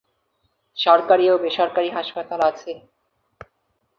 সরকারি ও বেসরকারী হাসপাতাল আছে।